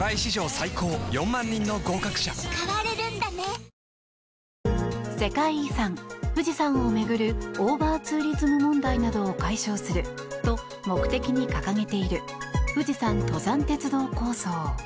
三菱電機世界遺産・富士山を巡るオーバーツーリズム問題などを解消すると目的に掲げている富士山登山鉄道構想。